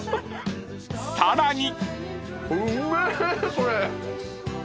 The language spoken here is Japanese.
［さらに］